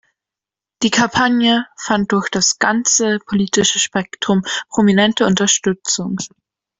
Die Kampagne fand durch das ganze politische Spektrum prominente Unterstützung.